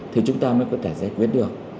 thì chúng ta mới có thể giải quyết được